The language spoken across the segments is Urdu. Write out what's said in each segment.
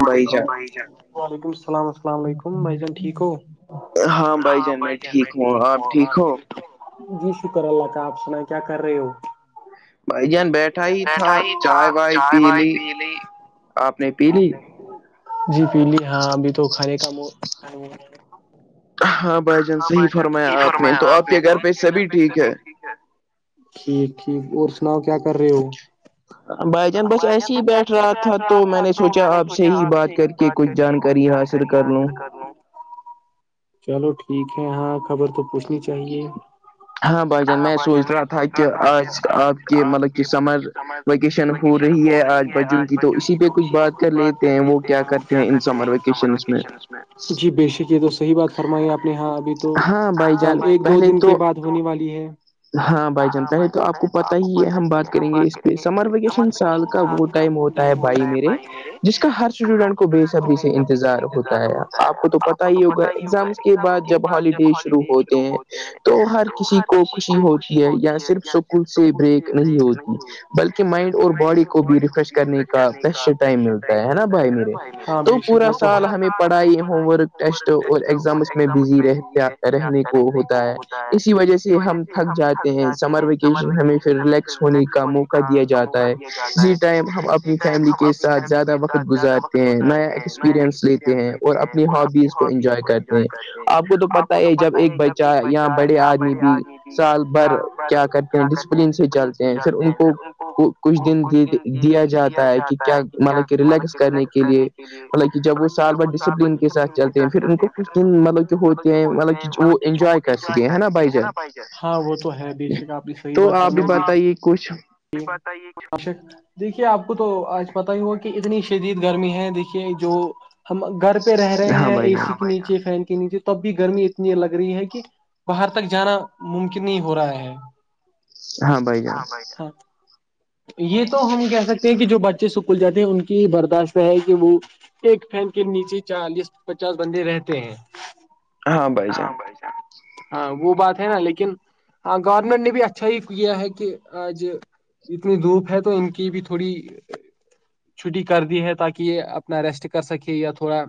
وعلیکم بھائی جان وعلیکم السلام -السلام علیکمھائی جان ٹھیک ہو ہاں بھائی جان, میں ٹھیک ہوں آپ ٹھیک ہووں- جی شکر اللہ کا آپ سنا کیا کر رہے ہو- بھائی جان بیٹھا ہی تھا چائے وائے پی لی آپ نے پی لی- جی پیلی ہاں ابھی تو کھانے کا م ہاں بھائی جان صحیح فرمایا آپ نے تو آپ کے گھر پہ سبھی ٹھیک ہے- ٹھیک ٹھیک اور سناؤ کیا کر رہے ہو- بائی چان بس ایسے ہی بیٹھ رہا تھا تو میں نے سوچا آپ سے ہی بات کر کے- بات کر کے کچھ جانکارییاں حاصل کر لوں چلو ٹھیک ہے ہاں خبر تو پوچھنی چاہیے- ہاں بھائی جان میں سوچ رہا تھا کہ آج آپ کے مطلب کہ سمر وکیشن ہو رہی ہے آج بجوں کی تو اسی پہ کچھ بات کر لیتے ہیں وہ کیا کرتے- کیا کرتے ہیں ان سمر ویکیشن میں جی بے شک یہ تو صحیح بات- فرمائی آپ نے یہاں ابھی تو کل ایک دو دن کے بعد ہونے والی ہے ہاں بھائی جان پہلے تو آپ کو پتا ہی ہے ہم بات کریں گے اس پہ سمر ویکیشن سال کا وہ ٹائم ہوتا ہے بھائی میرے جس کا ہر اسٹوڈنٹ کو بے صبری سے انتظار ہوتا ہے آپ کو تو پتا- ہی ہوگا ایگزامس کے بعد جب ہالیڈے شروع ہوتے ہیں تو ہر کسی کو خوشی ہوتی ہے یا صرف سکون سے بریک نہیں ہوتی بلکہ- مائنڈ اور باڈی کو بھی ریفریش کرنے کا پشر ٹائم ملتا ہے نا بھائی میرے- تو پورا سال ہمیں پڑھائی ہومورک ٹیسٹ اور- ایگزام اس میں بزی رہتا رہنے کو ہوتا ہے- اسی وجہ سے ہم تھک جاتے ہیں سمر ویکیشن ہمیں پھر ریلیکس ہونے کا موقع دیا جاتا ہے اسی ٹائم ہم اپنی فیملی کے ساتھ زیادہ وقت گزار ہیں نیا ایکسپریئنس لیتے ہیں اور اپنی ہابیز کو انجوائے- کرتے ہیں آپ کو تو پتا ہے جب ایک بچہ یہاں- بڑے آدمی بھی سال بھر کیا کرتے ہیں ڈسپلن سے چلتے ہیں پھر ان کو- کچھ دن دیا جاتا ہے کہ کیا مطلب کہ ریلیکس کرنے کے لیے مط کہ جب وہ سال ب ڈسپلن کے سات چلتے ہیں پھر ان کو کچھ دن مطلب کہ ہوتے ہیں مطلب کہ وہ انجوائے کرک ہے نا بھائی جان تو آپ بھی بتائیے کچھ یہ بتائیے سے دیکھیے آپ کو تو آج پت ہی ہوا کہ اتنی شدید گرمی ہے دیکھیے جو ہم گھر پہ رہے ہیں اے سی کے نیچے فین نہیں تھی تب بھی گرمی اتنی لگ رہی ہے کہ باہر تک جانا ممکن نہیں ہو رہا ہے ہاں بھائی جان ہاں یہ تو ہم کہہ سکتے ہیں کہ جو بچے سکول جاتے ہیں ان کی برداشت ہے کہ وہ ایک فین کے نیچے چالیس پچاس بندے رہتے ہیں ہاں بائی ہاں وہ بات ہے نا لیکن ہاں گورنمنٹ نے بھی اچھا ہی کیا ہے کہ آج اتنی دھوپ ہے تو ان کی بھی تھوڑی چھٹی کر دی ہے تاکہ یہ اپنا ریسٹ کر سکے یا تھوڑا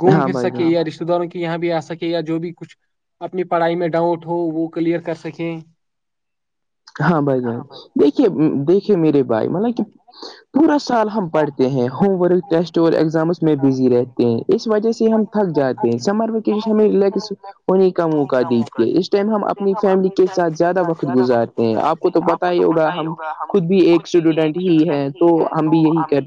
گھوم پھر سکے یا رش سداروں کے یہاں بھی آ سکے یا جو بھی کچھ اپنی پڑھائی میں ڈاؤٹ ہو وہ کلیئر کر سکیں ہاں بھائی جان دیکھیے دیکھے میرے بھائی مطلب کہ پورا سال ہم پڑھتے ہیں ہوم ورک ٹیسٹ اور ایگزامس میں بزی رہتے ہیں اس وجہ سے ہم تھک جاتے ہیں سمر ہم ل کے ہونے کا موقع دیتی ہے اس ٹائم ہم اپنی فیملی کے ساتھ زیادہ وقت گزار آپ کو تو پتا ہی ہوگا ہم خود بھی ایک اسٹوڈینٹ ہی ہیں تو ہم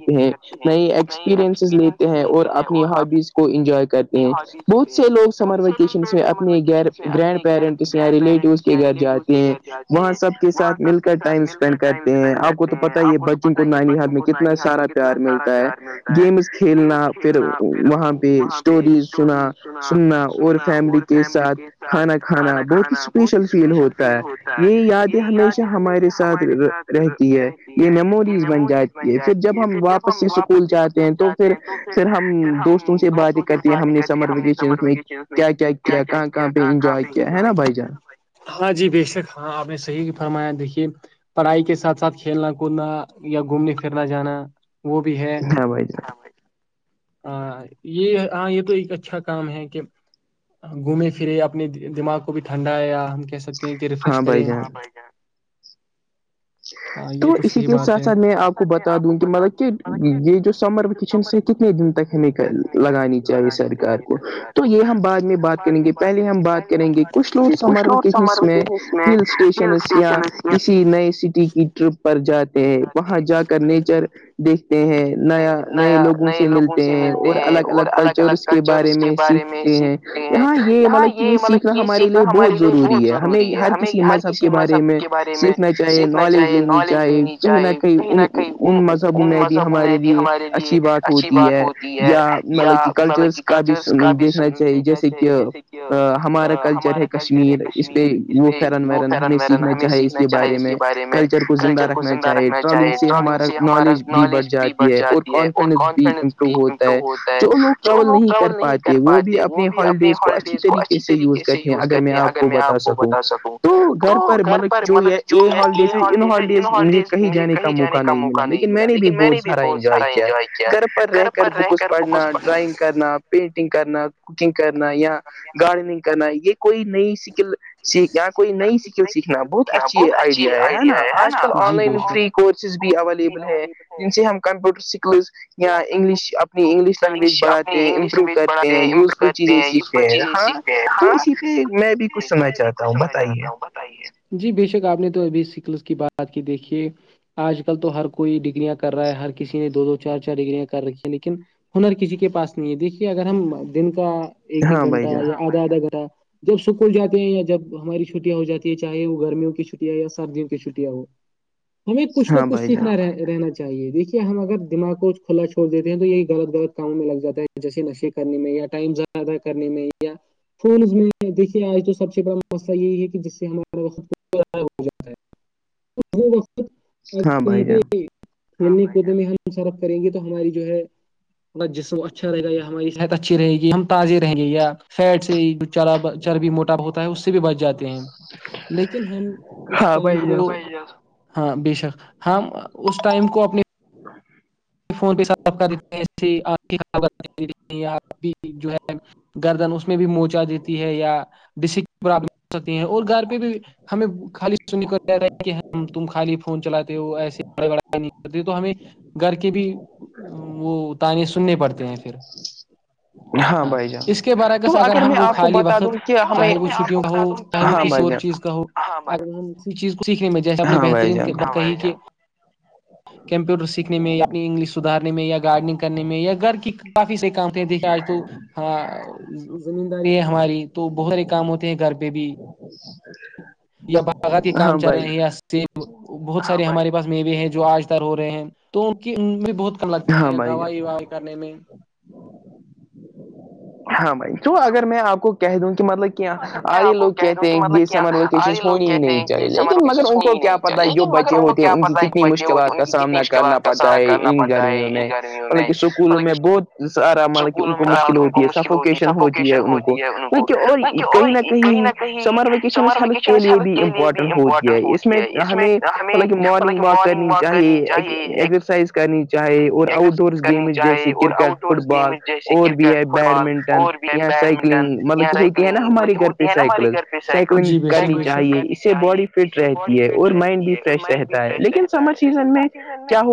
ہیں نئی ایکسپریئنسز لیتے ہیں اور اپنی ہابیز کو انجوائے کر کرتے ہیں بہت سے لوگ سمر ویکیشنس میں اپنے گیر گرینڈ پیرنٹس یا ریلیٹوس کے گھر جاتے کہ وہاں سب کے ساتھ مل کر ٹائم اسپینڈ کرتے ہیں آپ کو تو پتا ہی ہے بچوں کو نانی ہال میں کتنا سارا ار ملتا ہے گیمز کھیلنا پھر وہاں پہ اسٹوری سنا سننا اور فیملی کے ساتھ کھانا کھانا بہت ہی اسپیشل فیل ہوتا ہے یہ یادیں ہمیشہ ہمارے ساتھ رہتی ہے یہ میموریز بن جاتی یہ پھر جب ہم واپس سے اسکول جاتے ہیں تو پھر پھر ہم دوستوں سے بات تی ہم نے سمر ویکیشن میں کیا کیا کیا کہاں کہاں پہ انجوائے کیا ہے نا بھائی جان ہاں جی بے شک ہاں آپ نے صحیح فرمایا دیکھیے پڑھائی کے ساتھ ساتھ کھیلنا کودنا یا گھومنے پھرنا جانا وہ بھی ہے یہ ہاں یہ تو ایک اچھا کام ہے کہ گھومے پھرے اپنے دماغ کو بھی ٹھنڈا آیا ہم کہہ سکتے کہ ریفریش کریں بھ جی تو اسی کے ساتھ ساتھ میں آپ کو بتا دوں کہ مطلب کہ یہ جو سمر ویکیشن سے کتنے دن تک ہے نکل لگانی چاہیے سرکار کو تو یہ ہم بعد میں بات کریں گے پہلے ہم بات کریں گے کش لور سمرو کے حس میں ہل اسٹیشنس یا کسی نئے کی ٹرپ پر جاتے ہیں وہاں جا کر نیچر دیکھتے ہیں نیا نئے لوگوں سے ملتے ہیں اور الگ الگ کلچرس کے بارے میں سیکھتے ہیں یہاں یہ مطلب کہ یہ سیکھ سنا ہمارے لیے بہت ضروری ہے ہمیں ہر کسی مذہب کے بارے میں سیکھنا چاہیے نالج لینی چاہے کہیں نہ کہیں ان ان مذہبوں میں بھی ہمارے لیے اچھی بات ہوتی ہے یا مطلب کہ کلچرس کا بھی دیکھنا چاہیے جیسے کہ ہمارا کلچر ہے کشمیر اس پہ وہ کررن ویرن ہمیں سیکھنا چاہے اس کے بارے میں کلچر کو زندہ رکھنا چاہیے ٹراولنگ سے ہمارا نالج بھی بڑھ جاتی ہے اور کون ام ہو [unintelligible] جو لوگ ٹریول نہیں کر پاتے وہ بھی اپنے ہالیڈیز کو اچھی طریقے سے یوز کرتے ہیں اگر میں آپ کو بتا سکوں تو گھر پر مطلب جو یہ اے ہالیڈیز ان ہالیڈیز مجھے کہیں جانے کا موقع نہیں ملا لیکن میں نے بھی بہت سارا انجوائے کیا گھر پر رہ کے کر بکس پڑنا ڈرائنگ کر کرنا پینٹنگ کرنا کوکنگ کرنا یا گارڈننگ کرنا یہ کوئی نئی سکل سیکھ یہاں کوئی نئی سکل سیکھنا بہت اچھی آئیڈیا ہے نا آج کل آن لائن فری کورسز بھی اویلیبل ہے جن سے ہم کمپیوٹر سکل اں انگلش اپنی انگلش لینگویج بڑھاتے ہیں امپروو کرتے ہیں یوزفل چیزیں سیکھتے ہیں ہاں تو اسی پہ میں بھی کچھ سننا چاہتا ہوں بتائیے [unintelligible] جی بےشک آپ نے تو ابھی سکلس کی بات کی دیکھیے آج کل تو ہر کوئی ڈگریاں کر رہا ہے ہر کسی نے دو دو چار چار ڈگگریاں کر رکھی ہیں لیکن ہنر کسی کے پاس نہیں ہے دیکھیے اگر ہم دن کا ایک ایک گھنٹہ یا آدھا آدھا گھنٹہ جب سکول جاتے ہیں یا جب ہماری چھٹیاں ہو جاتی ہے چاہے وہ گرمیوں کی چھٹٹییا یا سردیوں کی چھٹیاں ہو ہمیں کچھ نہ کچھ سیکھنا رہ رہنا چاہیے دیکھیے ہم اگر دماغ [unintelligible] کچ کھلا چھوڑ دیتے ہیں تو یہی غطغلط کاموں میں لگ جاتا ہے جیسے نشے کرنے میں یا ٹائم زیادہ کرنے میں یا فون میں دیکھیے آج تو سب سے بڑا مسئلہ یہی ہے کہ جس سے ہمارے وقت ہو جاتا ہے وہ وقت ا کہیں پہ کھیلنے کود میں ہم س کریں گے تو ہماری جو ہے جسم اچھا رہے گا یا ہماری صحت اچھی رہے گی ہم تازی رہیں گے یا فیٹ سے چر چربی موٹا ہوتا ہے اس سے بھی بچ جاتے ہیں لیکن ہم اس ٹائم کو [unintelligible] ہاں بے شک ہم اس ٹائم کو اپنی ہ [inaudible] فون پہ صاف کر دیتے ہیں آپ کی یا اھی جو ہے گردن اس میں بھی موچا دیتی ہے یا ڈسک [unintelligible] پررابلم ہو سکتی ہیں اور گھر پہ بھی ہمیں خالی سن ہے کہ تم خالی فون چلاتے ہو ایسے بڑ نہیں کرتے تو ہم کہ بھی وہ تانے سننے پڑتے ہیں پھر ہاں اس کے برعکس اگر ہم وہ خالی وقت چاہے وہ چھٹیوں کا ہو چاہے وہ کسی اور چیز کا ہو ہاںگر ہم اسی چیز کو سیکھنے میں جیسے اپنی بہترین کہی کہ کمپیوٹر سیکھنے میں یا اپنی انگلش سدھارنے میں یا گارڈنگ کرنے میں یا گھر کی کافی سے کام تھے دیکھے آج تو ہاں زمین داری ہے ہماری تو بہت سارے کام ہوتے ہیں گھر پہ بھی یا باغات کی کام چل رہے ہیں [unintelligible] بہت سے ہمارے پاس میوے ہیں جو آج تر ہو رہے ہیں تو ان کی ان میں بہت کم لگتا ہے دوائی وائی کرنے میں ہاں بھائی تو اگر میں آپ کو کہہ دوں کہ مطلب کہ آ یہ لوگ کہتے ہیں کہ یہ سمر ویکیشن ہونی ہی نہیں چاہیے لیکن مگر ان کو کیا پتا ہے جو بچے ہوتے ہیں ان کی کتنی مشکلات کا سامنا کرنا پڑتا ہے ان گرمیوں میں مطلب کہ اسکولوں میں بہت آ رہا مطلب کہ ان کو مشکل ہوتی ہے سفوکیشن ہوتی ہے ان کو وہک اور کہیں نہ کہیں سمر ویکیشن اس حل کے لیے بھی امپورٹنٹ ہوتی ہے اس میں ہمیں مطلب کہ مارننگ واک کرنی چاہیے ایکسرسائز کرنیی [unintelligible] چاہے اور آؤٹ ڈور گیم جیسے کرکٹ فٹ بال اور بھی ہے بیڈمنٹن یا سائیکلنگ مطلب کہ ہوتی ہے نا ہمارے گھر پہ سائیکلز سائیکلنگ کرنی چاہیے اس سے باڈی فٹ رہتی ہے اور مائنڈ بھی فریش رہتا ہے لیکن سمر سیزن میں یز ہے [unintelligible]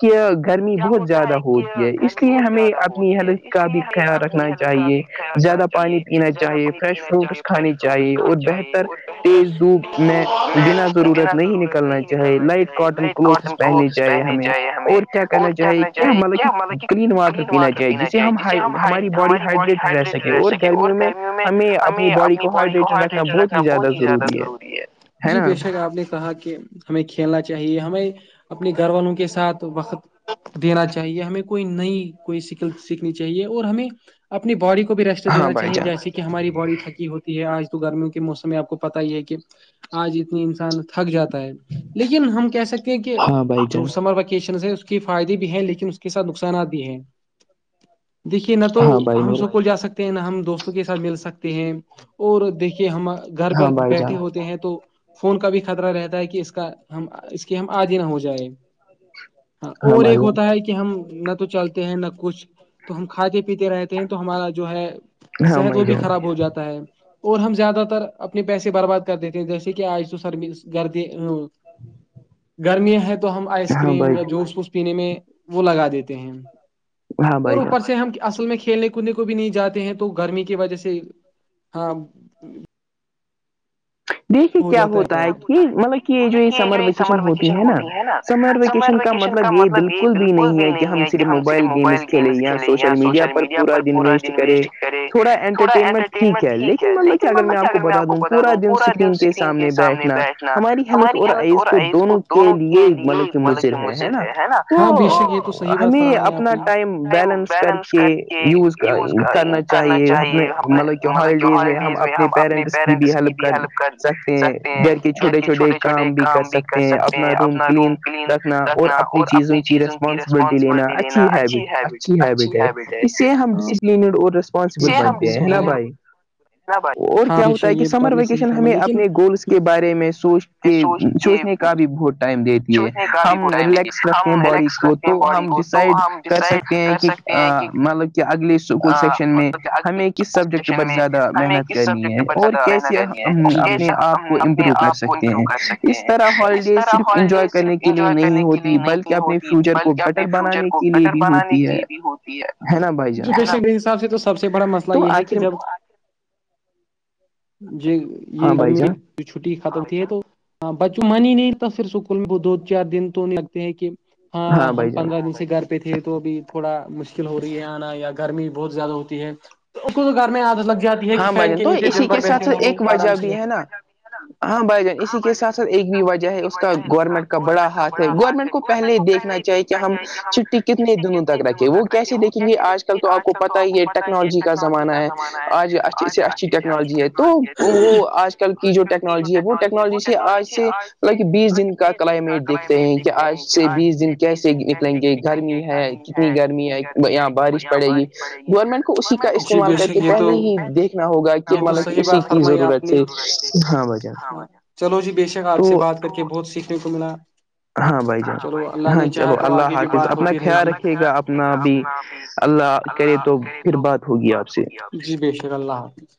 کہ گرمی بہت زیادہ ہوتی ہے اس لیے ہمیں اپنی ہیلت کا بھی خیال رکھنا چاہیے زیادہ پانی پینا چاہیے فریش فروٹس کھانے چاہیے اور بہتر تیز دھوپ میں بنا ضرورت نہیں نکلنا چاہے لائٹ کاٹن کے کلوتھس پہنے جائے ہمیں اور کیا کہنا چاہے کیا مطلب کہ کلین واٹر پینا چاہے جسے ہم ہائی ہماری باڈی ہائڈریٹڈ رہ سکے اور گرمیوں میں ہمیں اپنی باڈی کو ہائڈریٹڈ رکھنا بہت بہت ہی زیادہ ضروری ہے جی بے شک آپ نے کہا کہ ہمیں کھیلنا چاہیے ہمیں اپنے گھر وال والوں کے ساتھ وقت دینا چاہیے ہمیں کوئی نئی کوئی سکل سیکھنی چاہیے اور ہمیں اپنی باڈی کو بھی ریسٹ دینا چاہیے جیسے کہ کہ ہماری باڈی تھکی ہوتی ہے آج تو گرمیوں کے موسم میں آپ کو پتا ہی ہے کہ آج اتنی انسان تھک جاتا ہے لیکن ہم کہہ سکتے ہیں کہ جو سمر و کیشن ہے اس کے فائدے بھی ہیں لیکن اس کے ساتھ نقصانات بھی ہیں دیکھیے نہ تو ہم سکول جا سکتے نا ہم دوستوں کے ساتھ مل سکتے ہیں اور دیکھیے ہم گھر پر بیٹھے ہوتے ہیں تو فون کا بھی خطرہ رہتا ہے کہ اس کا ہم اس کی ہم آج ہی نہ ہو جائے ج [inaudible] ہاں اور ایک ہوتا ہے کہ ہم نہ تو چلتے ہیں نہ کچھ تو ہم کھاتے پیتے رہتے ہیں تو ہمارا جو ہے صحت وہ بھی خراب ہو جاتا ہے اور ہم زیادہ تر اپنے پیسے برباد کر دیتے ہیں جیسے کہ آج تو سرمی گردی گرمییاں ہے تو ہم آئس س پوس پینے میں وہ لگا دیتے ہیں اور اوپر سے ہم اصل میں کھیلنے کے کونے کو بھی نہیں جاتے ہیں تو گرمی کی وجہ سے ہاں دیکھیے کیا ہوتا ہے کہ مطلب کہ یہ جو یہ سمر ویکیشن ہوتی ہے نا سمر ویکیشن کا مطلب یہی بالکل بھی نہیں ہے کہ ہم صرف موبائل گیمز کھیلیں یا سوشل میڈیا پر پورا دن ویسٹ کرے تھوڑا انٹرٹینمنٹ ٹھیک ہے لیکن مطلب کہ اگر میں آپ کو بتا دوں پور دن سیکھنے ج [unintelligible] سامنے بیٹھنا ہماری ہیلتھ اور ایز کو دونوں کے لیے مطلب کہ مضر ہے ہے نا تو ہمیں اپنا ٹائم بیلنس کر کے یوز کرنا چاہیے ہمنے مطلب کہ ہالیڈیز میں ہم اپنے پیرنٹس کی بھی ہیلپ کر سکتے ہیں گھر کے چھوٹے چھوٹے کام بھی کر سکتے ہیں اپنا روم کلین رکھنا اور اپنی چیزوں کی رسپانسبلٹی لینا اچھی ہیبٹ اچھی ہیبٹ ہے اس سےے ہم ڈسپلینڈ اور پانسبل بنتے ہیں ہے نا بھائی اور کیا ہوتا ہے کہ سمر ویکیشن ہمیں اپنے گولس کے بارے میں سوچ کے سوچنے کا بھی بہت ٹائم دیتے ہم ریلیکس رکھتے ہیں باڈی کو تو ہم ڈیسائڈ کر سکتے ہیں کہ مطلب اگلے اسکول سیکشن میں ہمیں کس سبجیکٹ پر زیادہ محنت کرنی ہے اور کیسے اپنے آپ کو امپروو کر سکتے ہیں اس طرح ہالیڈیز صرف انجوائے کرنے کی کے لیے نہیں ہوتی بلکہ اپنے فیوچر کو بیٹر بنانے کے لیے بھی ہوتی ہے ہینا بھائی ایجوکیشن حساب سے تو سب سے بڑا مسئلہ یہ ہے کہ جب جی یہ گرمی چھٹی ختم تھی ہے تو بچوں من ہی نہیں تھا صر اسکول میں وہ دو چار دن تو لگتے ہیں کہ ہاں ہم پندرہ دن گھر پہ تھے تو ابھی تھوڑا مشکل ہو رہی ہے آنا یا گرمی بہت زیادہ ہوتی ہے گھر میں عادت لگ جاتی ہے کہ فین کے نیچے دن کے ساتھ ایک وجہ بھی ہے نا ہاں بھائی جان اسی کے ساتھ ساتھ ایک بھی وجہ ہے اس کا گورنمنٹ کا بڑا ہاتھ ہے گورنمنٹ کو پہلے دیکھنا کہ ہم چھٹی کتنے دنوں تک رکھے وہ کیسے دیکھیں گے آج کل تو آپ کو پتا ہی ہے ٹیکنالوجی کا زمانہ ہے آج اچھی سے اچھی ٹیکنالوجی جی ہے تو وہ آج کل کی جو ٹیکنالوجی ہے وہ ٹیکنالوجی سے آج سے لیک بیس دن کا کلائمیٹ دیکھتے ہیں کہ آج سے بیس دن کیسے نکلیں گے گرمی ہے اتنی گرمی ہے یہاں بارش پڑے گی گورنمنٹ کو اسی کا استعمال کر کے پہلے ہی دیکھنا ہوگا یہ تو صحیح بات فرمائی آپ نے چلو جی بے شک آپ سے بات کر کے بہت سیکھنے کو ملا ہاں بھائی جان ہاں چلو اللہ حافظ اپنا خیال رکھیے گا اپنا بھی اللہ کرے تو پھر بات ہوگی آپ سے جی بے شر اللہ حافظ